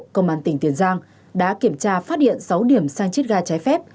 công an tỉnh tiền giang đã kiểm tra phát hiện sáu điểm sang chết ga cháy phép